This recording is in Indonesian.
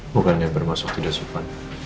bukan yang bermasuk tidak suka